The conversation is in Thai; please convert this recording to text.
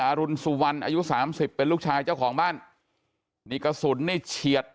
อรุณสุวรรณอายุสามสิบเป็นลูกชายเจ้าของบ้านนี่กระสุนนี่เฉียด